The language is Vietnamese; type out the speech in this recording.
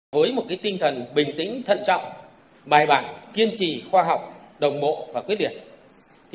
với một tinh thần bình tĩnh thận trọng bài bản kiên trì khoa học đồng bộ và quyết liệt